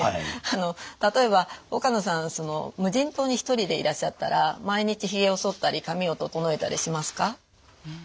あの例えば岡野さんその無人島に１人でいらっしゃったら毎日ひげをそったり髪を整えたりしますか？